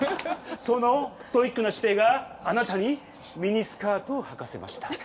そのストイックな姿勢があなたにミニスカートをはかせました。